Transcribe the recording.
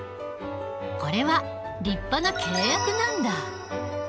これは立派な契約なんだ。